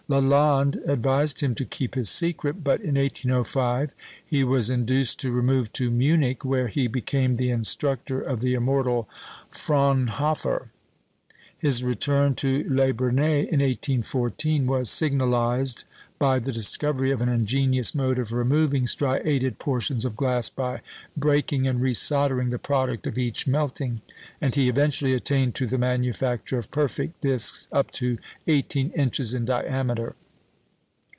Lalande advised him to keep his secret, but in 1805 he was induced to remove to Munich, where he became the instructor of the immortal Fraunhofer. His return to Les Brenets in 1814 was signalised by the discovery of an ingenious mode of removing striated portions of glass by breaking and re soldering the product of each melting, and he eventually attained to the manufacture of perfect discs up to 18 inches in diameter.